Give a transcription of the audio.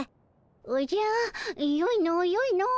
おじゃよいのよいの。